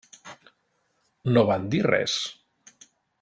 No van dir res.